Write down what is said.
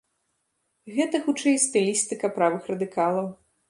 Гэта, хутчэй, стылістыка правых радыкалаў.